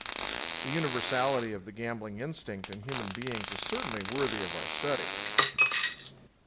The universality of the gambling instinct in human beings is certainly worthy of our study.